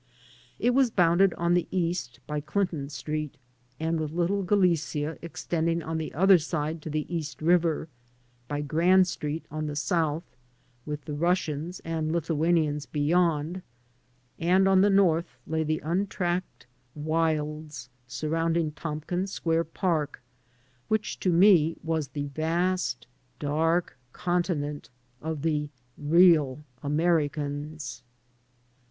It was bounded on the east by CUnton Street, with Little Galicia extending on the other side to the East River; by Grand Street on the south, with the Russians and Lithuanians beyond; and on the north lay the untracked wilds surrounding Tompkins Square Park, which to me was the vast dark continent of the "real Americans."